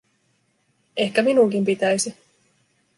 Ehkä minunkin pitäisi.